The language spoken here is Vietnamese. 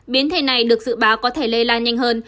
biến thể này được dự báo có thể lây lan nhanh hơn